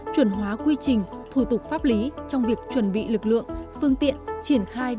chuẩn hóa quy trình thủ tục pháp lý trong việc chuẩn bị lực lượng phương tiện triển khai